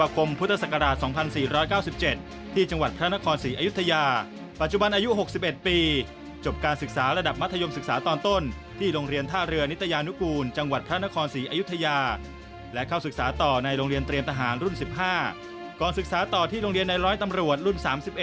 ก่อนศึกษาต่อที่โรงเรียนในร้อยตำรวจรุ่น๓๑